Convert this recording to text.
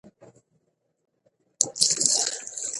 ترافيکي اصول مراعات کړئ.